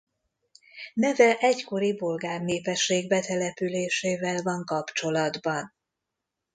Neve egykori bolgár népesség betelepülésével van kapcsolatban.